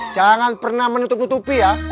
jangan pernah menutup nutupi ya